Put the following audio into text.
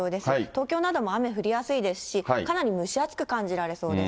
東京なども雨降りやすいですし、かなり蒸し暑く感じられそうです。